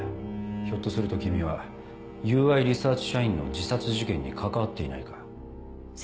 ひょっとすると君はＵＹリサーチ社員の自殺事件に関わっていないか？